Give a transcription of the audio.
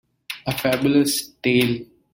A Fabulous tale.